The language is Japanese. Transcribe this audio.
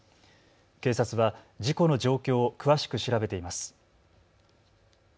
警察は事故の状況を詳しく調べています。